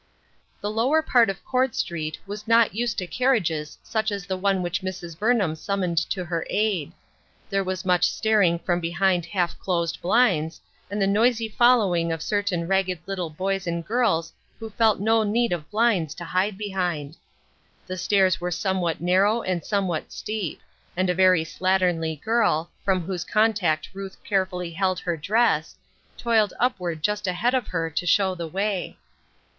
The lower part of Court Street was not used to carriages such as the one which Mrs. Burnham summoned to her aid ; there was much staring from behind half closed blinds, and the noisy fol lowing of certain ragged little boys and girls who felt no need of blinds to hide behind. The stairs were somewhat narrow and somewhat steep ; and a very slatternly girl, from whose contact Ruth carefully held her dress, toiled upward just ahead of her to show the way.